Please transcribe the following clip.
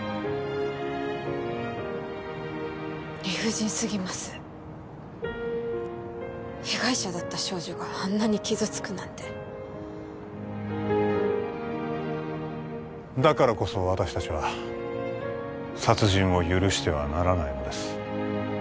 理不尽すぎます被害者だった少女があんなに傷つくなんてだからこそ私たちは殺人を許してはならないのです